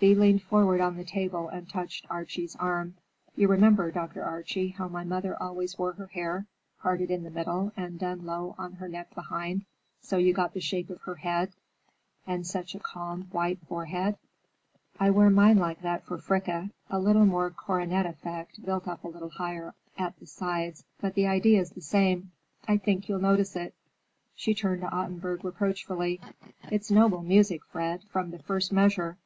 Thea leaned forward on the table and touched Archie's arm. "You remember, Dr. Archie, how my mother always wore her hair, parted in the middle and done low on her neck behind, so you got the shape of her head and such a calm, white forehead? I wear mine like that for Fricka. A little more coronet effect, built up a little higher at the sides, but the idea's the same. I think you'll notice it." She turned to Ottenburg reproachfully: "It's noble music, Fred, from the first measure.